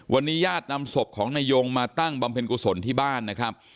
วันนี้ญาตินำศพของนายยงมาตั้งบำเพ็ญกุศลที่บ้านนะครับ